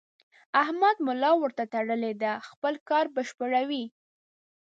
احمد ملا ورته تړلې ده؛ خپل کار بشپړوي.